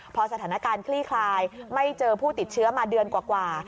พอสถานการณ์คลี่คลายไม่เจอผู้ติดเชื้อมาเดือนกว่า